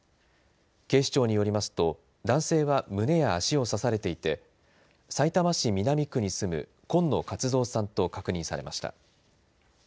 警視庁によりますと男性は胸や足を刺されていてさいたま市南区に住む今野勝蔵さんと確認されました。